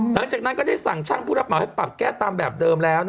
หลังจากนั้นก็ได้สั่งช่างผู้รับเหมาให้ปรับแก้ตามแบบเดิมแล้ว